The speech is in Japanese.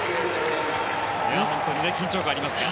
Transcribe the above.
本当に緊張感ありますが。